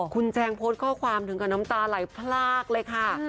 คุณแจงโพสต์ข้อความถึงกับน้ำตาไหลพลากเลยค่ะ